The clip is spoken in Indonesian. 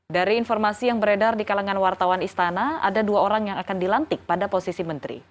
dari informasi yang beredar di kalangan wartawan istana ada dua orang yang akan dilantik pada posisi menteri